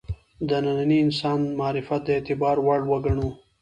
د ننني انسان معرفت د اعتبار وړ وګڼو.